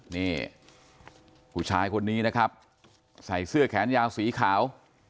นี่ผู้ชายคนนี้นะครับใส่เสื้อแขนยาวสีขาว